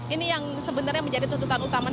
ini yang sebenarnya menjadi tuntutan utama